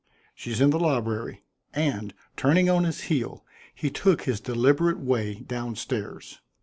"She's in the library." And, turning on his heel, he took his deliberate way down stairs.